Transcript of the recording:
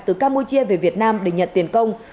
từ campuchia về việt nam để nhận tiền công